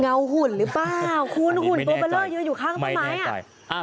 เงาหุ่นหรือเปล่าคูณหุ่นโปรแบลเลอร์เยอะอยู่ข้างต้นไม้อ่ะ